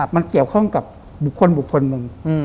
มันเกี่ยวข้องกับบุคคลบุคคลหนึ่ง